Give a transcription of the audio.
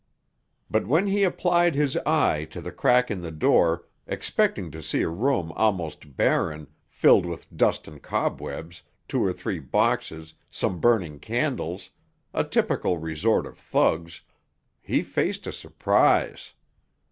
But when he applied his eye to the crack in the door, expecting to see a room almost barren, filled with dust and cobwebs, two or three boxes, some burning candles—a typical resort of thugs—he faced a surprise.